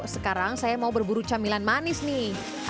sekarang saya mau berburu camilan manis nih